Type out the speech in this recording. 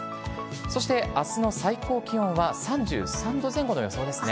そしてあすの最高気温は、３３度前後の予想ですね。